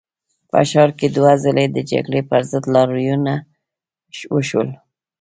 په ښار کې دوه ځلي د جګړې پر ضد لاریونونه وشول.